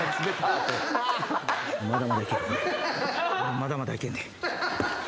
まだまだいけんねん。